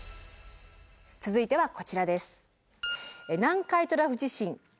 続いてはこちらです。